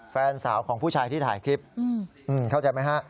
แฟนสาวของผู้ชายที่ถ่ายคลิปเข้าใจไหมฮะ